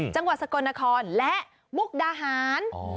จังหวัดสกลนครและมุกดาหาร